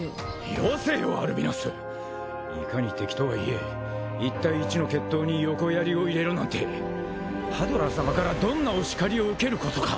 よせよアルビナスいかに敵とはいえ１対１の決闘に横槍を入れるなんてハドラー様からどんなお叱りを受けることか。